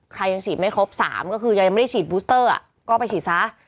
ใครยังฉีดไม่ครบสามก็คือยังไม่ได้ฉีดอ่ะก็ไปฉีดซ้า